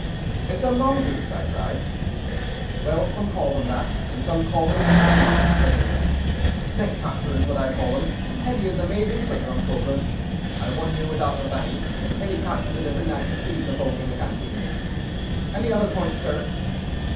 "It's a mongoose," I cried. "Well, some call them that, and some call them ichneumon," said the man. "Snake catcher is what I call them, and Teddy is amazing quick on cobras. I have one here without the fangs, and Teddy catches it every night to please the folk in the canteen. "Any other point, sir?"